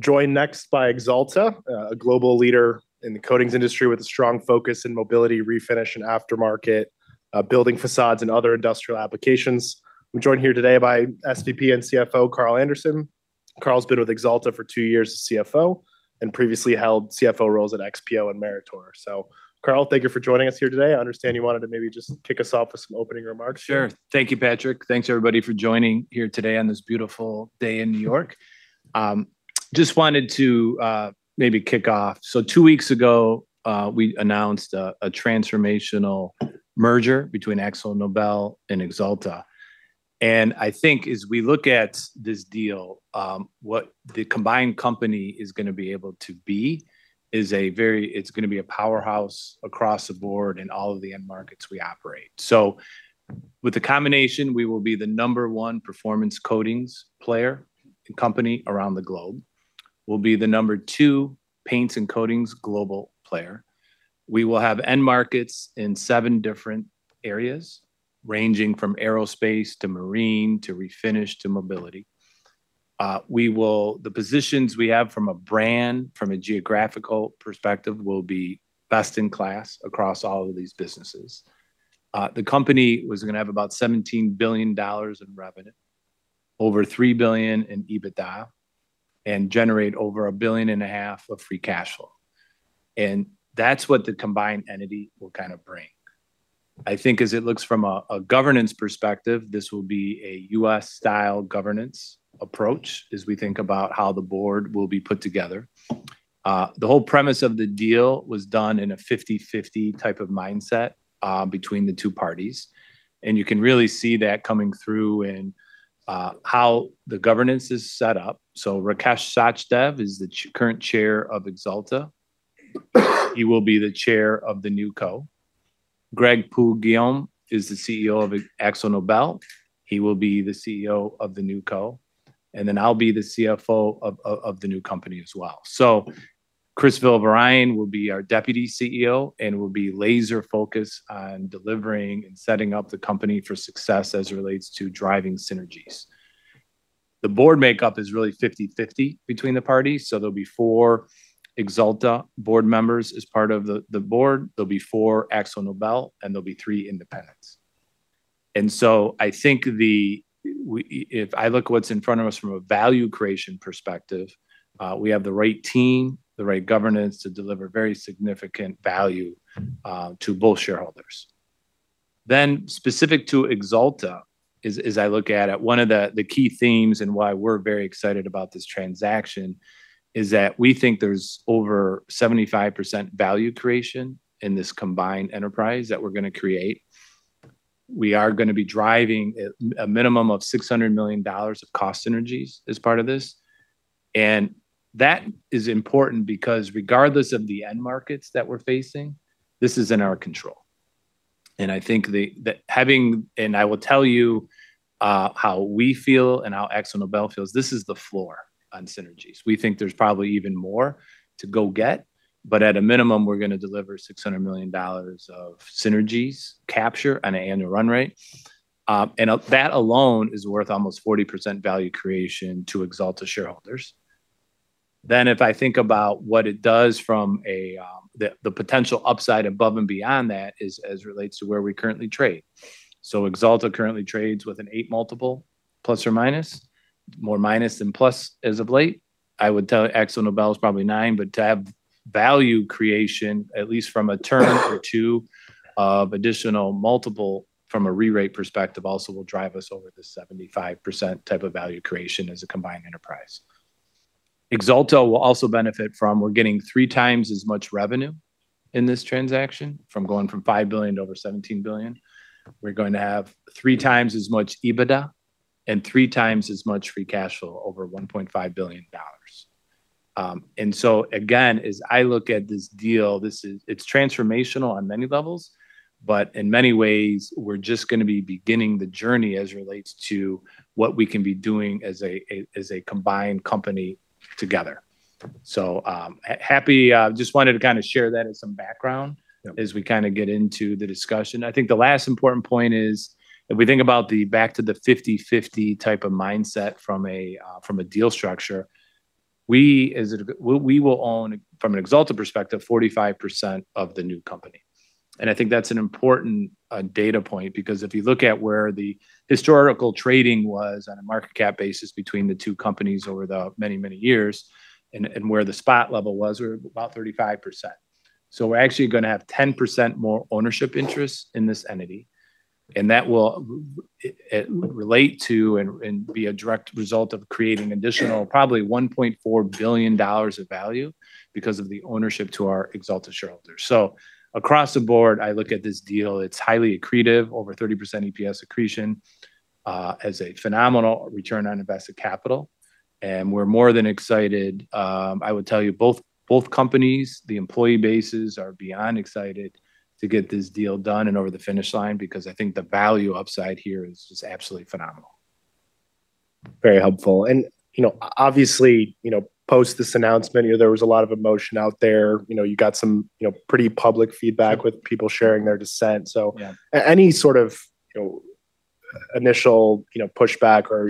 Joined next by Axalta, a global leader in the coatings industry with a strong focus in mobility, refinish, and aftermarket, building facades and other industrial applications. We're joined here today by SVP and CFO Carl Anderson. Carl's been with Axalta for two years as CFO and previously held CFO roles at XPO and Meritor. So, Carl, thank you for joining us here today. I understand you wanted to maybe just kick us off with some opening remarks. Sure. Thank you, Patrick. Thanks, everybody, for joining here today on this beautiful day in New York. Just wanted to maybe kick off. So, two weeks ago, we announced a transformational merger between AkzoNobel and Axalta. And I think, as we look at this deal, what the combined company is going to be able to be is a very, it's going to be a powerhouse across the board in all of the end markets we operate. So, with the combination, we will be the number one performance coatings player and company around the globe. We'll be the number two paints and coatings global player. We will have end markets in seven different areas, ranging from aerospace to marine to refinish to mobility. The positions we have from a brand, from a geographical perspective, will be best in class across all of these businesses. The company was going to have about $17 billion in revenue, over $3 billion in EBITDA, and generate over $1.5 billion of free cash flow. That's what the combined entity will kind of bring. I think, as it looks from a governance perspective, this will be a U.S.-style governance approach as we think about how the board will be put together. The whole premise of the deal was done in a 50/50 type of mindset between the two parties. You can really see that coming through in how the governance is set up. Rakesh Sachdev is the current chair of Axalta. He will be the chair of the new Co. Greg Poux-Guillaume is the CEO of AkzoNobel. He will be the CEO of the new Co. Then I'll be the CFO of the new company as well. Chris Villavarayan will be our deputy CEO and will be laser-focused on delivering and setting up the company for success as it relates to driving synergies. The board makeup is really 50/50 between the parties. There'll be four Axalta board members as part of the board. There'll be four AkzoNobel, and there'll be three independents. I think if I look at what's in front of us from a value creation perspective, we have the right team, the right governance to deliver very significant value to both shareholders. Specific to Axalta, as I look at it, one of the key themes and why we're very excited about this transaction is that we think there's over 75% value creation in this combined enterprise that we're going to create. We are going to be driving a minimum of $600 million of cost synergies as part of this. That is important because, regardless of the end markets that we're facing, this is in our control. I think that having, and I will tell you how we feel and how AkzoNobel feels, this is the floor on synergies. We think there's probably even more to go get, but at a minimum, we're going to deliver $600 million of synergies capture on an annual run rate. That alone is worth almost 40% value creation to Axalta shareholders. If I think about what it does from the potential upside above and beyond that is as it relates to where we currently trade. Axalta currently trades with an eight multiple, plus or minus, more minus than plus as of late. I would tell AkzoNobel is probably nine, but to have value creation, at least from a term or two of additional multiple from a re-rate perspective, also will drive us over the 75% type of value creation as a combined enterprise. Axalta will also benefit from. We're getting three times as much revenue in this transaction from going from $5 billion to over $17 billion. We're going to have three times as much EBITDA and three times as much free cash flow over $1.5 billion. And so, again, as I look at this deal, it's transformational on many levels, but in many ways, we're just going to be beginning the journey as it relates to what we can be doing as a combined company together. So, happy. Just wanted to kind of share that as some background as we kind of get into the discussion. I think the last important point is, if we think about the back to the 50/50 type of mindset from a deal structure, we will own, from an Axalta perspective, 45% of the new company. And I think that's an important data point because if you look at where the historical trading was on a market cap basis between the two companies over the many, many years and where the spot level was, we're about 35%. So, we're actually going to have 10% more ownership interest in this entity. And that will relate to and be a direct result of creating additional probably $1.4 billion of value because of the ownership to our Axalta shareholders. So, across the board, I look at this deal, it's highly accretive, over 30% EPS accretion as a phenomenal return on invested capital. And we're more than excited. I would tell you both companies, the employee bases are beyond excited to get this deal done and over the finish line because I think the value upside here is just absolutely phenomenal. Very helpful, and obviously, post this announcement, there was a lot of emotion out there. You got some pretty public feedback with people sharing their dissent. So, any sort of initial pushback or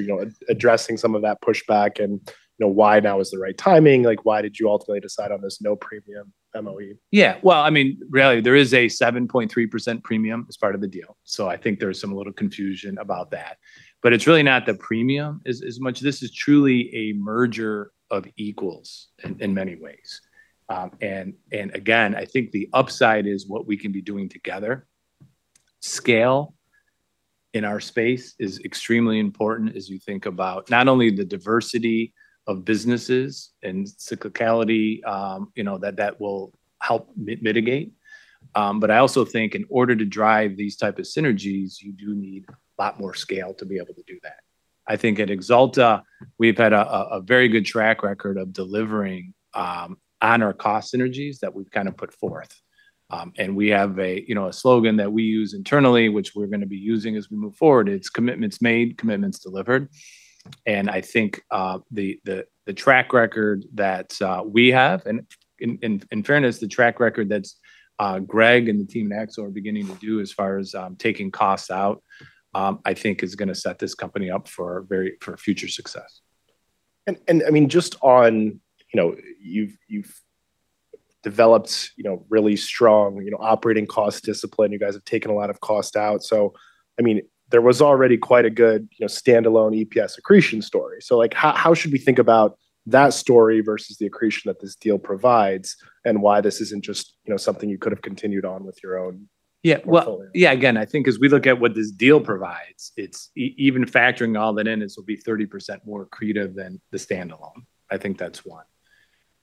addressing some of that pushback and why now is the right timing? Why did you ultimately decide on this no premium MOE? Yeah. Well, I mean, really, there is a 7.3% premium as part of the deal. So, I think there's some little confusion about that. But it's really not the premium as much. This is truly a merger of equals in many ways. And again, I think the upside is what we can be doing together. Scale in our space is extremely important as you think about not only the diversity of businesses and cyclicality that that will help mitigate. But I also think in order to drive these types of synergies, you do need a lot more scale to be able to do that. I think at Axalta, we've had a very good track record of delivering on our cost synergies that we've kind of put forth. And we have a slogan that we use internally, which we're going to be using as we move forward. It's commitments made, commitments delivered. And I think the track record that we have, and in fairness, the track record that Greg and team Akzo are beginning to do as far as taking costs out, I think is going to set this company up for future success. I mean, just on you've developed really strong operating cost discipline. You guys have taken a lot of cost out. So, I mean, there was already quite a good standalone EPS accretion story. So, how should we think about that story versus the accretion that this deal provides, and why this isn't just something you could have continued on with your own portfolio? Yeah. Well, yeah, again, I think as we look at what this deal provides, even factoring all that in, this will be 30% more accretive than the standalone. I think that's one.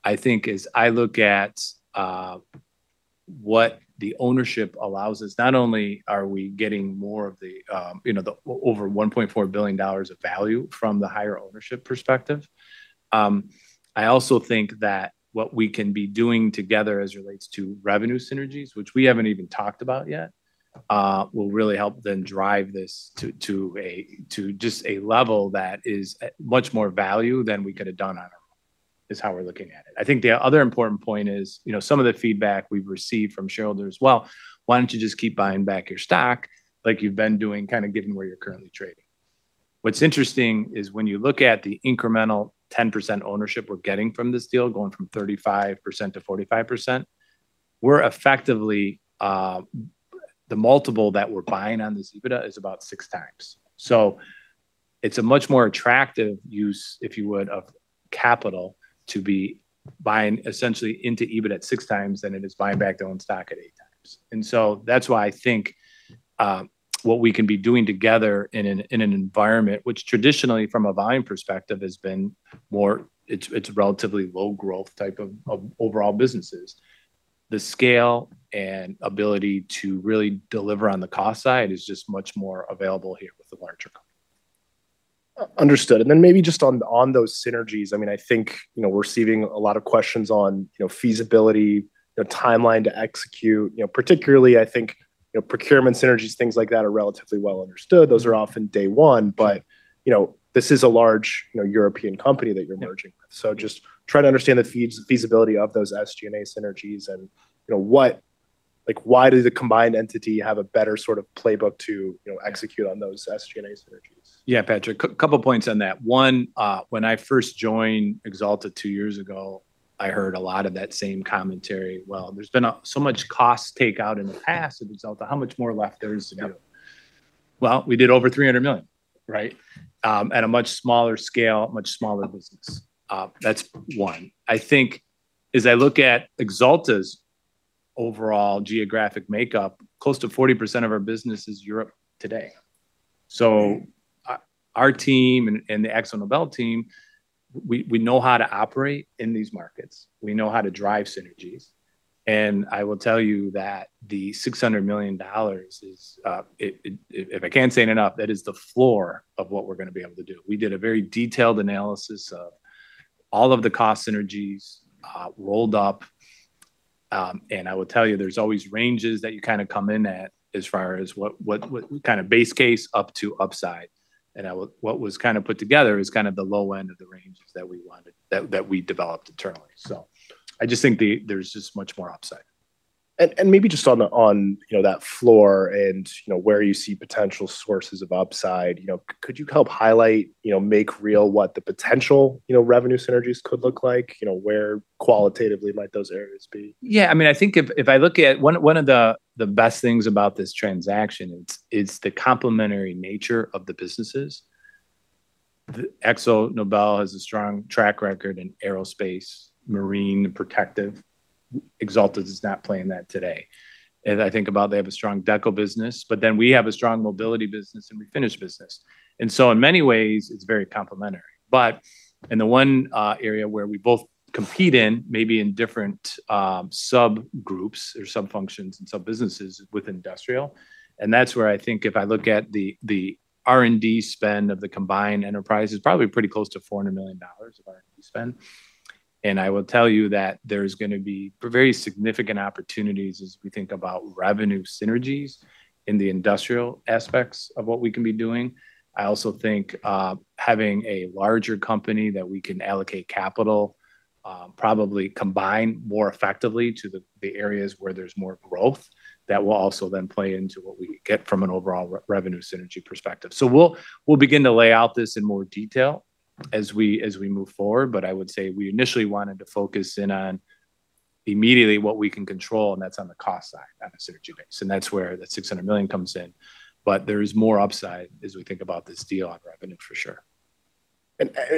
I think as I look at what the ownership allows us, not only are we getting more of the over $1.4 billion of value from the higher ownership perspective, I also think that what we can be doing together as it relates to revenue synergies, which we haven't even talked about yet, will really help then drive this to just a level that is much more value than we could have done on our own, is how we're looking at it. I think the other important point is some of the feedback we've received from shareholders as well, "Why don't you just keep buying back your stock like you've been doing, kind of given where you're currently trading?" What's interesting is when you look at the incremental 10% ownership we're getting from this deal, going from 35% to 45%, we're effectively the multiple that we're buying on this EBITDA is about six times. So, it's a much more attractive use, if you would, of capital to be buying essentially into EBITDA at six times than it is buying back their own stock at eight times. And so, that's why I think what we can be doing together in an environment which traditionally, from a volume perspective, has been more, it's relatively low growth type of overall businesses. The scale and ability to really deliver on the cost side is just much more available here with the larger company. Understood, and then maybe just on those synergies, I mean, I think we're receiving a lot of questions on feasibility, the timeline to execute, particularly, I think procurement synergies, things like that are relatively well understood. Those are often day one, but this is a large European company that you're merging. So, just try to understand the feasibility of those SG&A synergies and why does the combined entity have a better sort of playbook to execute on those SG&A synergies? Yeah, Patrick, a couple of points on that. One, when I first joined Axalta two years ago, I heard a lot of that same commentary. "Well, there's been so much cost takeout in the past at Axalta. How much more left there is to do?" Well, we did over $300 million, right, at a much smaller scale, much smaller business. That's one. I think as I look at Axalta's overall geographic makeup, close to 40% of our business is Europe today. So, our team and the AkzoNobel team, we know how to operate in these markets. We know how to drive synergies. And I will tell you that the $600 million, if I can't say it enough, that is the floor of what we're going to be able to do. We did a very detailed analysis of all of the cost synergies rolled up. And I will tell you, there's always ranges that you kind of come in at as far as what kind of base case up to upside. And what was kind of put together is kind of the low end of the ranges that we developed internally. So, I just think there's just much more upside. Maybe just on that floor and where you see potential sources of upside, could you help highlight, make real what the potential revenue synergies could look like? Where qualitatively might those areas be? Yeah. I mean, I think if I look at one of the best things about this transaction, it's the complementary nature of the businesses. AkzoNobel has a strong track record in aerospace, marine, and protective. Axalta is not playing that today. And I think about they have a strong Deco business, but then we have a strong mobility business and refinish business. And so, in many ways, it's very complementary. But in the one area where we both compete in, maybe in different subgroups or sub-functions and sub-businesses with industrial. And that's where I think if I look at the R&D spend of the combined enterprise, it's probably pretty close to $400 million of R&D spend. And I will tell you that there's going to be very significant opportunities as we think about revenue synergies in the industrial aspects of what we can be doing. I also think having a larger company that we can allocate capital probably combined more effectively to the areas where there's more growth, that will also then play into what we get from an overall revenue synergy perspective. So, we'll begin to lay out this in more detail as we move forward. But I would say we initially wanted to focus in on immediately what we can control, and that's on the cost side on a synergy base. And that's where that $600 million comes in. But there is more upside as we think about this deal on revenue, for sure.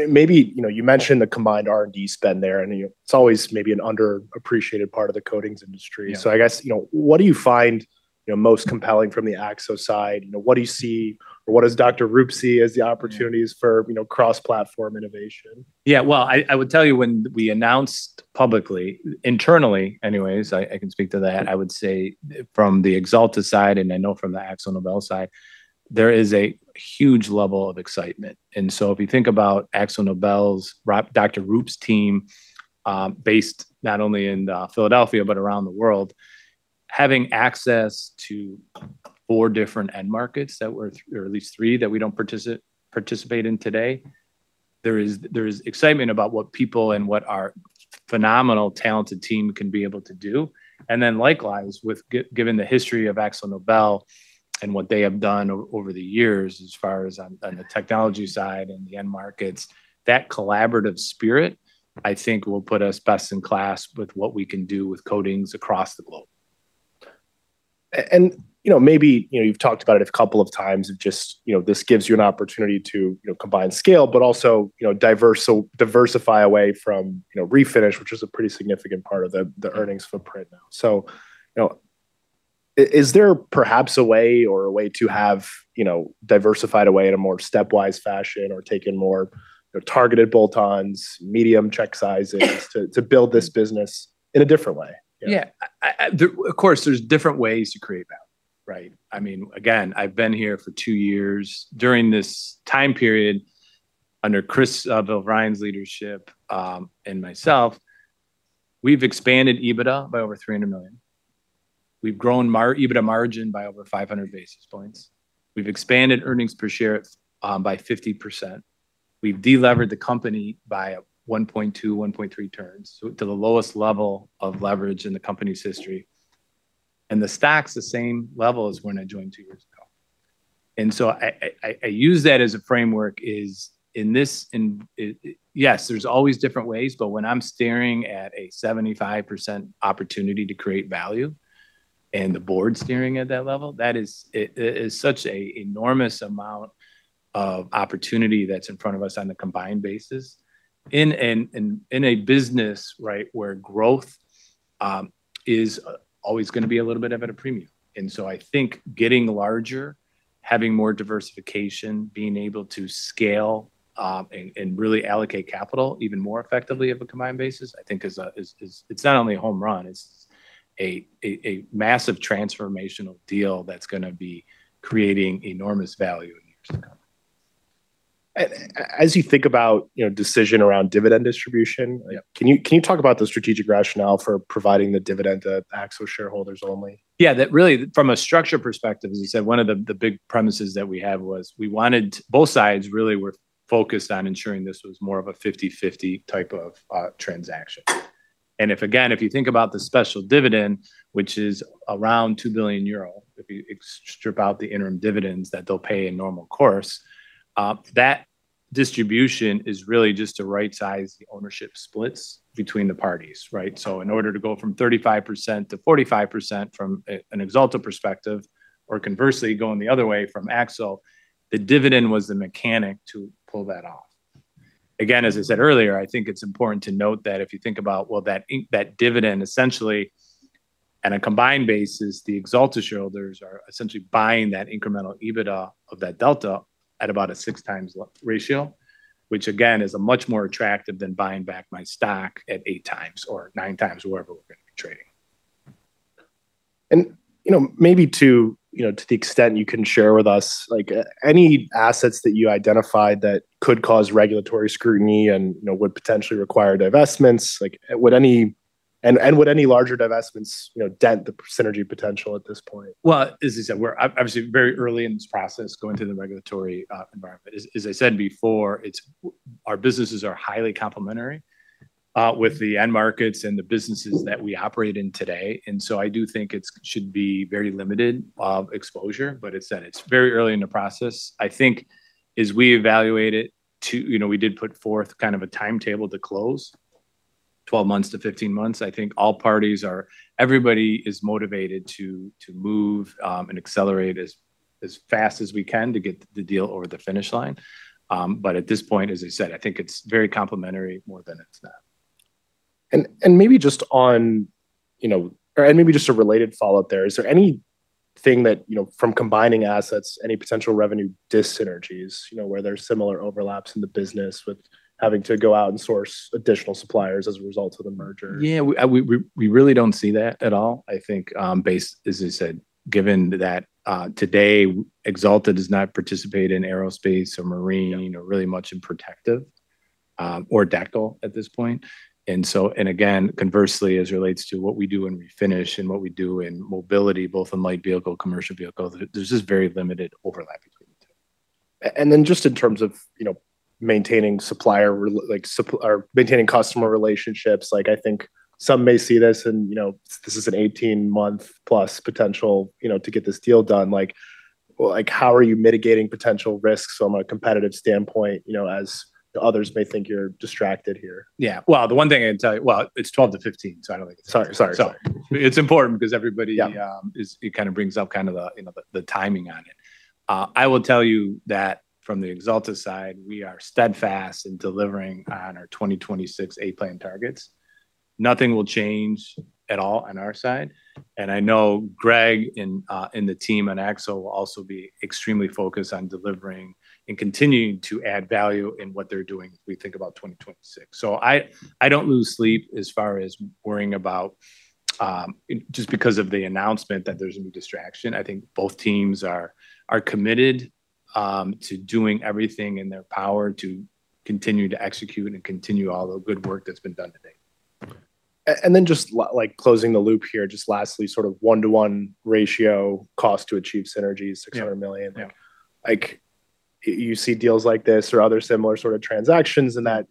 Maybe you mentioned the combined R&D spend there, and it's always maybe an underappreciated part of the coatings industry. I guess, what do you find most compelling from the Akzo side? What do you see or what does Dr. Roop see as the opportunities for cross-platform innovation? Yeah. Well, I would tell you when we announced publicly, internally anyways, I can speak to that. I would say from the Axalta side and I know from the AkzoNobel side, there is a huge level of excitement. And so, if you think about AkzoNobel's, Dr. Roop's team based not only in Philadelphia, but around the world, having access to four different end markets that were at least three that we don't participate in today, there is excitement about what people and what our phenomenal talented team can be able to do. And then likewise, given the history of AkzoNobel and what they have done over the years as far as on the technology side and the end markets, that collaborative spirit, I think will put us best in class with what we can do with coatings across the globe. Maybe you've talked about it a couple of times of just this gives you an opportunity to combine scale, but also diversify away from refinish, which is a pretty significant part of the earnings footprint now. Is there perhaps a way or a way to have diversified away in a more stepwise fashion or taken more targeted bolt-ons, medium check sizes to build this business in a different way? Yeah. Of course, there's different ways to create value, right? I mean, again, I've been here for two years. During this time period under Chris Villavarayan's leadership and myself, we've expanded EBITDA by over $300 million. We've grown our EBITDA margin by over 500 basis points. We've expanded earnings per share by 50%. We've deleveraged the company by 1.2-1.3 turns to the lowest level of leverage in the company's history. And the stock's the same level as when I joined two years ago. I use that as a framework in this. Yes, there's always different ways, but when I'm staring at a 75% opportunity to create value and the board staring at that level, that is such an enormous amount of opportunity that's in front of us on the combined basis in a business, right, where growth is always going to be a little bit at a premium. I think getting larger, having more diversification, being able to scale and really allocate capital even more effectively on a combined basis. I think it's not only a home run, it's a massive transformational deal that's going to be creating enormous value in years to come. As you think about decision around dividend distribution, can you talk about the strategic rationale for providing the dividend to Akzo shareholders only? Yeah. Really, from a structure perspective, as I said, one of the big premises that we had was we wanted both sides really were focused on ensuring this was more of a 50/50 type of transaction. And again, if you think about the special dividend, which is around 2 billion euro, if you strip out the interim dividends that they'll pay in normal course, that distribution is really just to right-size the ownership splits between the parties, right? So, in order to go from 35%-45% from an Axalta perspective or conversely going the other way from Akzo, the dividend was the mechanic to pull that off. Again, as I said earlier, I think it's important to note that if you think about, well, that dividend, essentially on a combined basis, the Axalta shareholders are essentially buying that incremental EBITDA of that delta at about a six times ratio, which again is much more attractive than buying back my stock at eight times or nine times wherever we're going to be trading. Maybe to the extent you can share with us, any assets that you identified that could cause regulatory scrutiny and would potentially require divestments, and would any larger divestments dent the synergy potential at this point? As I said, we're obviously very early in this process going to the regulatory environment. As I said before, our businesses are highly complementary with the end markets and the businesses that we operate in today. I do think it should be very limited exposure, but it's very early in the process. I think as we evaluate it, we did put forth kind of a timetable to close, 12-15 months. I think everybody is motivated to move and accelerate as fast as we can to get the deal over the finish line. At this point, as I said, I think it's very complementary more than it's not. Maybe just a related follow-up there, is there anything from combining assets, any potential revenue dis-synergies where there's similar overlaps in the business with having to go out and source additional suppliers as a result of the merger? Yeah. We really don't see that at all. I think, as I said, given that today Axalta does not participate in aerospace or marine or really much in protective or Deco at this point. And again, conversely, as it relates to what we do in refinish and what we do in mobility, both in light vehicle, commercial vehicle, there's just very limited overlap between the two. Then just in terms of maintaining supplier or maintaining customer relationships, I think some may see this, and this is an 18-month-plus potential to get this deal done. How are you mitigating potential risks from a competitive standpoint as others may think you're distracted here? Yeah, well, the one thing I can tell you, well, it's 12 to 15, so I don't think it's important. Sorry. It's important because everybody kind of brings up kind of the timing on it. I will tell you that from the Axalta side, we are steadfast in delivering on our 2026 A Plan targets. Nothing will change at all on our side. And I know Greg and the team on Akzo will also be extremely focused on delivering and continuing to add value in what they're doing as we think about 2026. So, I don't lose sleep as far as worrying about just because of the announcement that there's a new distraction. I think both teams are committed to doing everything in their power to continue to execute and continue all the good work that's been done today. And then just closing the loop here, just lastly, sort of one-to-one ratio cost to achieve synergies, $600 million. You see deals like this or other similar sort of transactions and that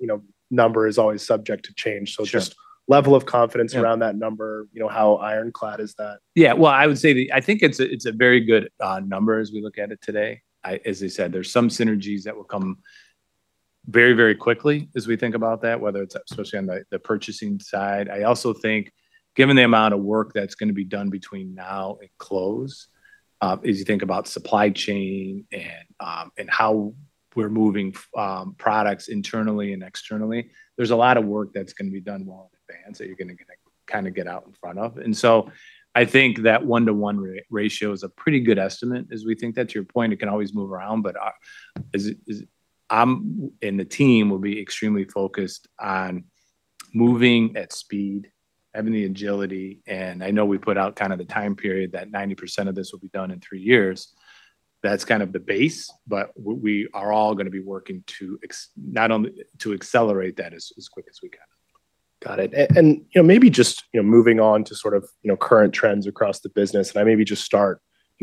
number is always subject to change. So, just level of confidence around that number, how ironclad is that? Yeah. Well, I would say I think it's a very good number as we look at it today. As I said, there's some synergies that will come very, very quickly as we think about that, whether it's especially on the purchasing side. I also think given the amount of work that's going to be done between now and close, as you think about supply chain and how we're moving products internally and externally, there's a lot of work that's going to be done well in advance that you're going to kind of get out in front of. And so, I think that one-to-one ratio is a pretty good estimate as we think that to your point, it can always move around. But I and the team will be extremely focused on moving at speed, having the agility. I know we put out kind of the time period that 90% of this will be done in three years. That's kind of the base, but we are all going to be working to accelerate that as quick as we can. Got it. And maybe just moving on to sort of current trends across the business. And I maybe just start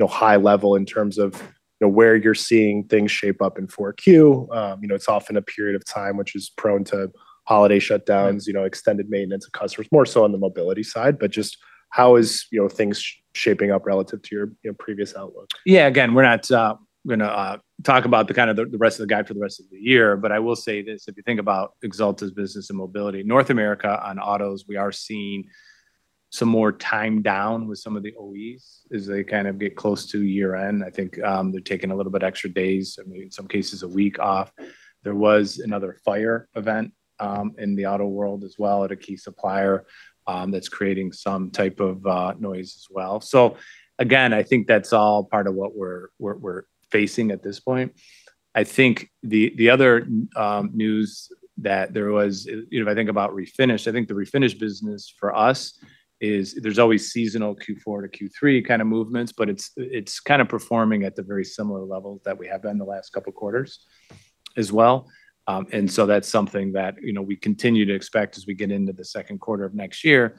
high level in terms of where you're seeing things shape up in 4Q. It's often a period of time, which is prone to holiday shutdowns, extended maintenance of customers, more so on the mobility side, but just how is things shaping up relative to your previous outlook? Yeah. Again, we're not going to talk about the kind of the rest of the guide for the rest of the year, but I will say this. If you think about Axalta's business and mobility, North America on autos, we are seeing some more time down with some of the OEs as they kind of get close to year-end. I think they're taking a little bit extra days, maybe in some cases a week off. There was another fire event in the auto world as well at a key supplier that's creating some type of noise as well. So, again, I think that's all part of what we're facing at this point. I think the other news that there was, if I think about refinish, I think the refinish business for us is there's always seasonal Q4 to Q3 kind of movements, but it's kind of performing at the very similar levels that we have been the last couple of quarters as well. And so, that's something that we continue to expect as we get into the second quarter of next year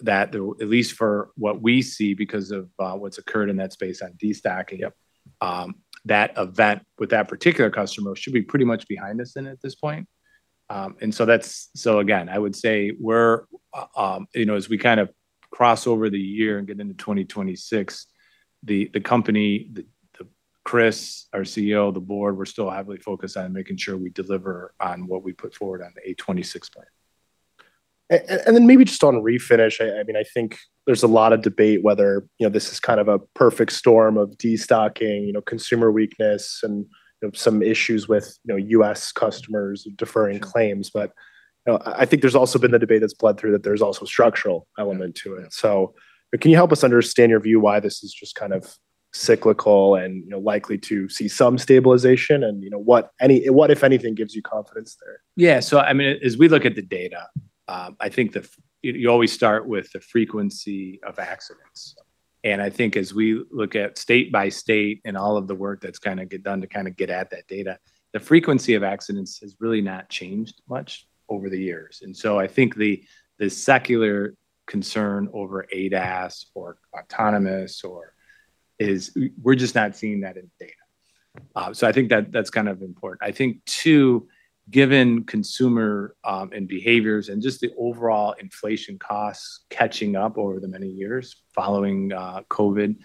that at least for what we see because of what's occurred in that space on destocking, that event with that particular customer should be pretty much behind us at this point. And so, again, I would say as we kind of cross over the year and get into 2026, the company, Chris, our CEO, the board, we're still heavily focused on making sure we deliver on what we put forward on the A 2026 Plan. And then maybe just on refinish, I mean, I think there's a lot of debate whether this is kind of a perfect storm of destocking, consumer weakness, and some issues with U.S. customers deferring claims. But I think there's also been the debate that's bled through that there's also a structural element to it. So, can you help us understand your view why this is just kind of cyclical and likely to see some stabilization and what, if anything, gives you confidence there? Yeah. So, I mean, as we look at the data, I think you always start with the frequency of accidents. And I think as we look at state by state and all of the work that's kind of done to kind of get at that data, the frequency of accidents has really not changed much over the years. And so, I think the secular concern over ADAS or autonomous or is we're just not seeing that in the data. So, I think that's kind of important. I think too, given consumer behaviors and just the overall inflation costs catching up over the many years following COVID,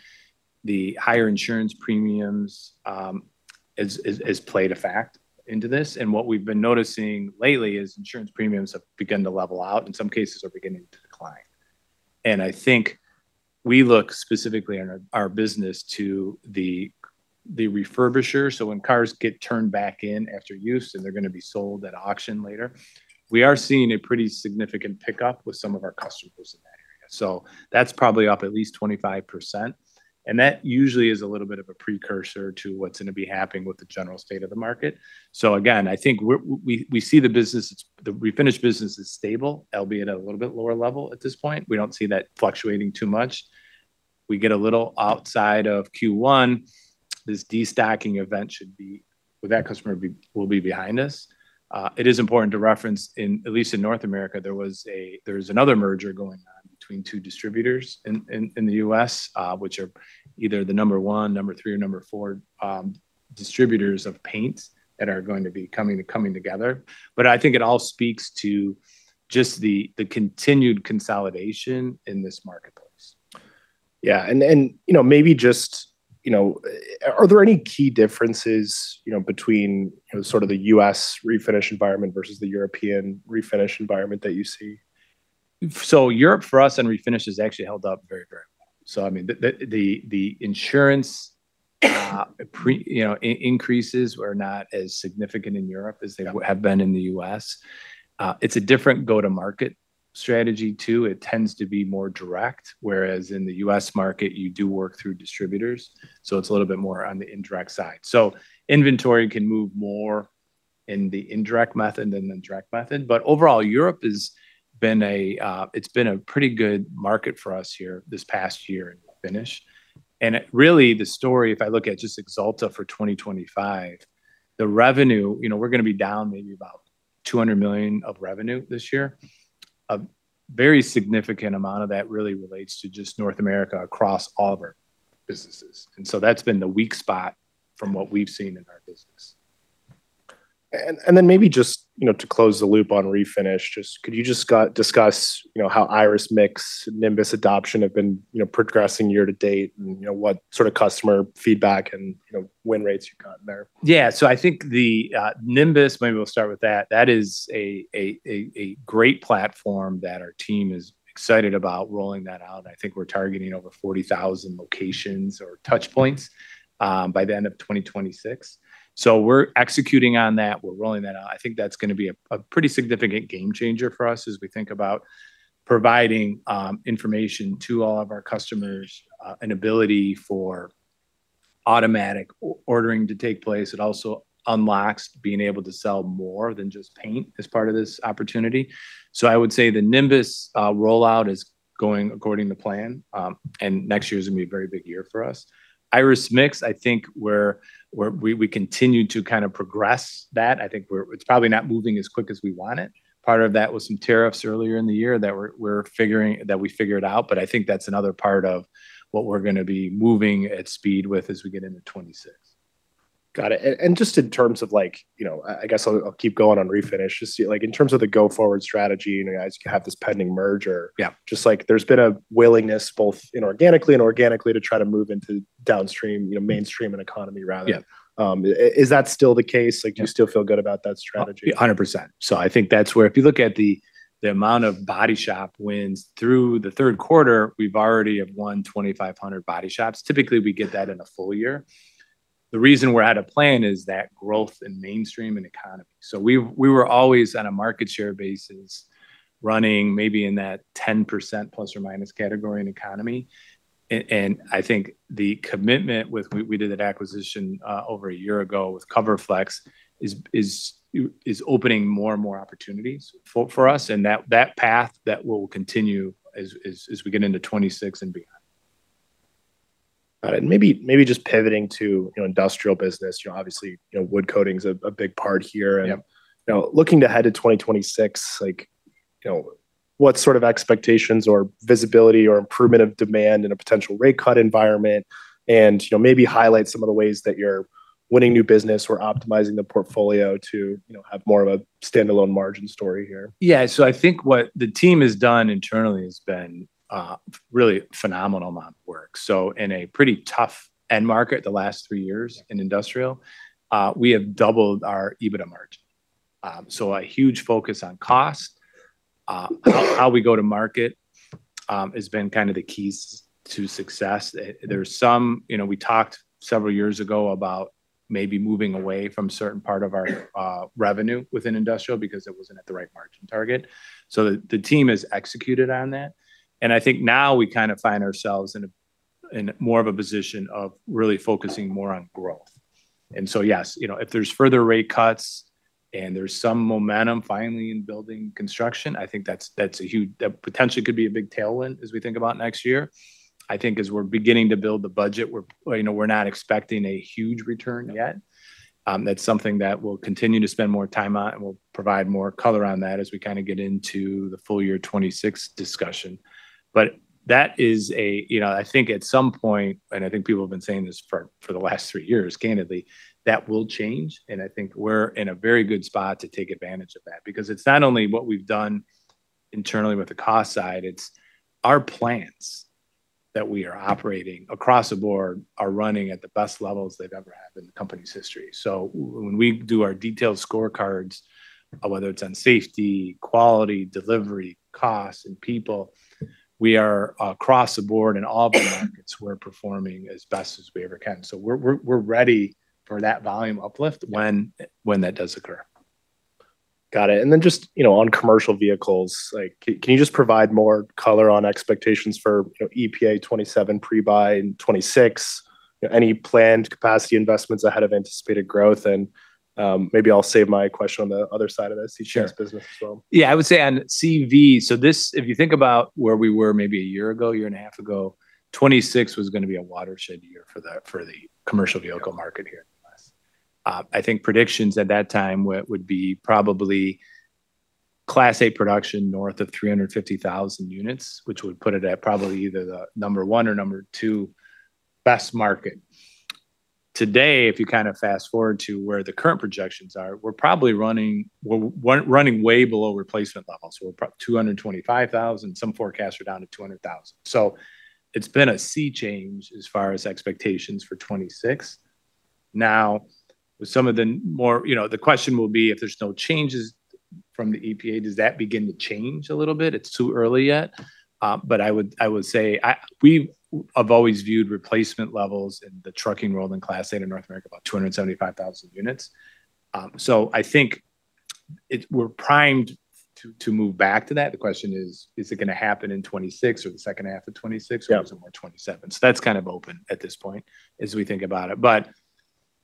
the higher insurance premiums has played a fact into this. And what we've been noticing lately is insurance premiums have begun to level out. In some cases, they're beginning to decline. And I think we look specifically in our business to the refinisher. So, when cars get turned back in after use and they're going to be sold at auction later, we are seeing a pretty significant pickup with some of our customers in that area. So, that's probably up at least 25%. And that usually is a little bit of a precursor to what's going to be happening with the general state of the market. So, again, I think we see the refinish business is stable, albeit at a little bit lower level at this point. We don't see that fluctuating too much. We get a little outside of Q1, this destocking event with that customer will be behind us. It is important to reference at least in North America, there was another merger going on between two distributors in the U.S., which are either the number one, number three, or number four distributors of paint that are going to be coming together. But I think it all speaks to just the continued consolidation in this marketplace. Yeah. And maybe just, are there any key differences between sort of the U.S. refinish environment versus the European refinish environment that you see? So, Europe for us and refinish has actually held up very, very well. So, I mean, the insurance increases were not as significant in Europe as they have been in the U.S. It's a different go-to-market strategy too. It tends to be more direct, whereas in the U.S. market, you do work through distributors. So, it's a little bit more on the indirect side. So, inventory can move more in the indirect method than the direct method. But overall, Europe has been a pretty good market for us here this past year in refinish. And really, the story, if I look at just Axalta for 2025, the revenue, we're going to be down maybe about $200 million of revenue this year. A very significant amount of that really relates to just North America across all of our businesses. And so, that's been the weak spot from what we've seen in our business. And then maybe just to close the loop on refinish, could you just discuss how Irus Mix, Nimbus adoption have been progressing year to date and what sort of customer feedback and win rates you've gotten there? Yeah. So, I think the Nimbus, maybe we'll start with that. That is a great platform that our team is excited about rolling that out. I think we're targeting over 40,000 locations or touch points by the end of 2026. So, we're executing on that. We're rolling that out. I think that's going to be a pretty significant game changer for us as we think about providing information to all of our customers, an ability for automatic ordering to take place. It also unlocks being able to sell more than just paint as part of this opportunity. So, I would say the Nimbus rollout is going according to plan, and next year is going to be a very big year for us. Irus Mix, I think we continue to kind of progress that. I think it's probably not moving as quick as we want it. Part of that was some tariffs earlier in the year that we figured out, but I think that's another part of what we're going to be moving at speed with as we get into 2026. Got it. And just in terms of, I guess I'll keep going on refinish, just in terms of the go-forward strategy, you have this pending merger. Just, there's been a willingness both organically and inorganically to try to move into downstream, mainstream, and economy rather. Is that still the case? Do you still feel good about that strategy? 100%. So, I think that's where if you look at the amount of body shop wins through the third quarter, we've already won 2,500 body shops. Typically, we get that in a full year. The reason we're out of plan is that growth in mainstream and economy. So, we were always on a market share basis running maybe in that 10% plus or minus category in economy. And I think the commitment with we did that acquisition over a year ago with CoverFlexx is opening more and more opportunities for us. And that path that will continue as we get into 2026 and beyond. Got it. And maybe just pivoting to industrial business, obviously wood coating is a big part here. And looking ahead to 2026, what sort of expectations or visibility or improvement of demand in a potential rate cut environment and maybe highlight some of the ways that you're winning new business or optimizing the portfolio to have more of a standalone margin story here? Yeah. So, I think what the team has done internally has been really a phenomenal amount of work. So, in a pretty tough end market the last three years in industrial, we have doubled our EBITDA margin. So, a huge focus on cost, how we go to market has been kind of the keys to success. There's some we talked several years ago about maybe moving away from a certain part of our revenue within industrial because it wasn't at the right margin target. So, the team has executed on that. And I think now we kind of find ourselves in more of a position of really focusing more on growth. And so, yes, if there's further rate cuts and there's some momentum finally in building construction, I think that potentially could be a big tailwind as we think about next year. I think as we're beginning to build the budget, we're not expecting a huge return yet. That's something that we'll continue to spend more time on and we'll provide more color on that as we kind of get into the full year 2026 discussion. But that is a, I think at some point, and I think people have been saying this for the last three years, candidly, that will change. And I think we're in a very good spot to take advantage of that because it's not only what we've done internally with the cost side, it's our plants that we are operating across the board are running at the best levels they've ever had in the company's history. So, when we do our detailed scorecards, whether it's on safety, quality, delivery, costs, and people, we are across the board in all of the markets, we're performing as best as we ever can. So, we're ready for that volume uplift when that does occur. Got it. And then just on commercial vehicles, can you just provide more color on expectations for EPA 2027 pre-buy in 2026? Any planned capacity investments ahead of anticipated growth? And maybe I'll save my question on the other side of this. You share this business as well. Yeah. I would say on CV, so this, if you think about where we were maybe a year ago, year and a half ago, 2026 was going to be a watershed year for the commercial vehicle market here in the U.S. I think predictions at that time would be probably Class 8 production north of 350,000 units, which would put it at probably either the number one or number two best market. Today, if you kind of fast forward to where the current projections are, we're running way below replacement levels. We're 225,000. Some forecasts are down to 200,000. So, it's been a sea change as far as expectations for 2026. Now, with some of the more, the question will be if there's no changes from the EPA, does that begin to change a little bit? It's too early yet. But I would say we have always viewed replacement levels in the trucking world in Class 8 in North America about 275,000 units. So, I think we're primed to move back to that. The question is, is it going to happen in 2026 or the second half of 2026 or is it more 2027? So, that's kind of open at this point as we think about it. But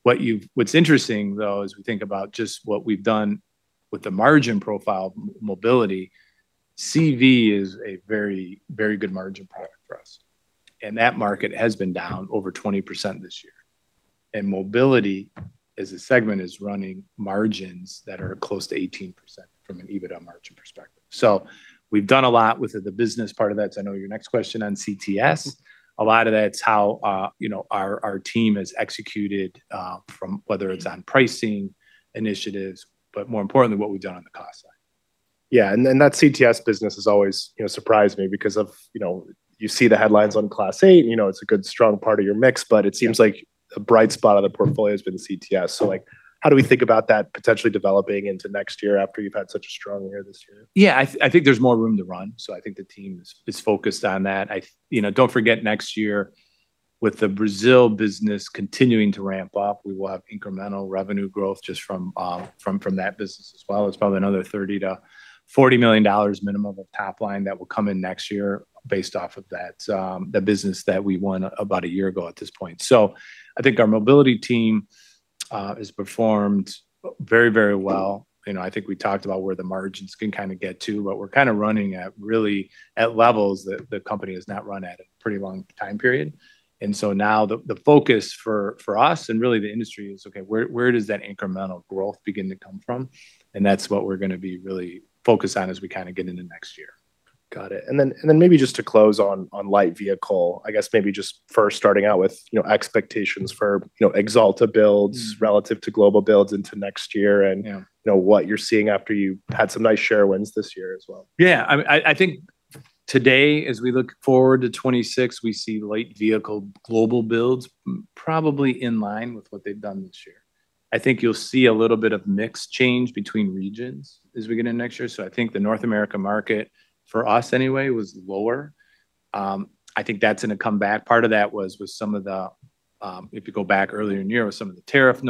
what's interesting though, as we think about just what we've done with the margin profile mobility, CV is a very, very good margin product for us. And that market has been down over 20% this year. And mobility as a segment is running margins that are close to 18% from an EBITDA margin perspective. So, we've done a lot with the business part of that. I know your next question on CTS. A lot of that's how our team has executed, from whether it's on pricing initiatives, but more importantly, what we've done on the cost side. Yeah. And that CTS business has always surprised me because you see the headlines on Class 8, it's a good strong part of your mix, but it seems like a bright spot of the portfolio has been CTS. So, how do we think about that potentially developing into next year after you've had such a strong year this year? Yeah. I think there's more room to run. So, I think the team is focused on that. Don't forget next year with the Brazil business continuing to ramp up, we will have incremental revenue growth just from that business as well. It's probably another $30-$40 million minimum of top line that will come in next year based off of that business that we won about a year ago at this point. So, I think our mobility team has performed very, very well. I think we talked about where the margins can kind of get to, but we're kind of running at really levels that the company has not run at a pretty long time period, and so now the focus for us and really the industry is, okay, where does that incremental growth begin to come from? That's what we're going to be really focused on as we kind of get into next year. Got it. And then maybe just to close on light vehicle, I guess maybe just first starting out with expectations for Axalta builds relative to global builds into next year and what you're seeing after you had some nice share wins this year as well. Yeah. I think today as we look forward to 2026, we see light vehicle global builds probably in line with what they've done this year. I think you'll see a little bit of mix change between regions as we get into next year. So, I think the North America market for us anyway was lower. I think that's going to come back. Part of that was with some of the, if you go back earlier in year with some of the tariff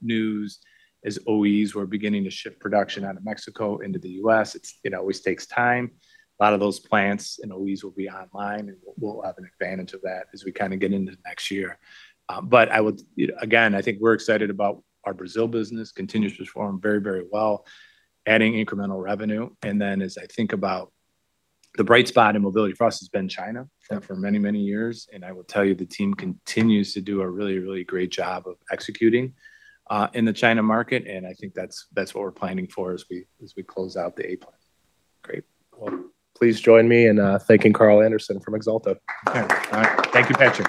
news as OEs were beginning to shift production out of Mexico into the U.S.. It always takes time. A lot of those plants and OEs will be online and we'll have an advantage of that as we kind of get into next year. But again, I think we're excited about our Brazil business continues to perform very, very well, adding incremental revenue. And then, as I think about the bright spot in mobility for us, it has been China for many, many years. And I will tell you the team continues to do a really, really great job of executing in the China market. And I think that's what we're planning for as we close out the A Plan. Great. Well, please join me in thanking Carl Anderson from Axalta. Thank you, Patrick.